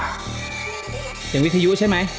เสียงวิทยุใช่ไหม